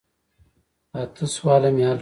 اته سواله مې حل کړه.